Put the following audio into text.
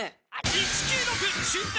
「１９６瞬間